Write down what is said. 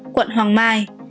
quận hoàng mai